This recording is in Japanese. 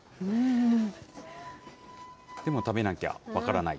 でも食べなきゃ分からない。